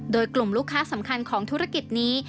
โดยกลุ่มลูกค้าสำคัญของธุรกิจนี้